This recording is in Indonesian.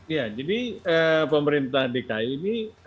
ya jadi pemerintah dki ini